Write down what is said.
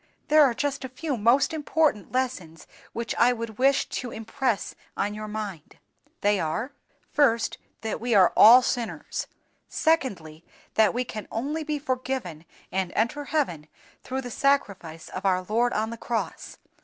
There are just a few most important lessons which I would wish to impress on your mind. They are: "First, that we all are sinners. "Secondly, that we can only be forgiven and enter heaven through the Sacrifice of our Lord on the cross.